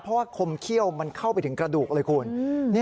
เพราะว่าคมเขี้ยวมันเข้าไปถึงกระดูกเลยคุณ